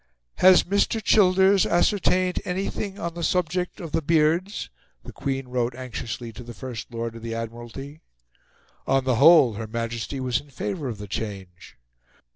"Has Mr. Childers ascertained anything on the subject of the beards?" the Queen wrote anxiously to the First Lord of the Admiralty. On the whole, Her Majesty was in favour of the change.